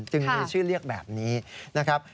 จึงมีชื่อเรียกแบบนี้นะครับ